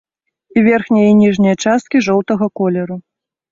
І верхняя, і ніжняя часткі жоўтага колеру.